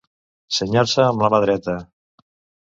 Senyar-se amb la mà dreta.